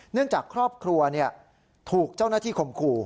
น่วงจากครอบครัวถูกเจ้านาฏิคมครู